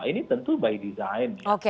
ini tentu by design